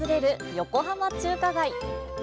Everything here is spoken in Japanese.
横浜中華街。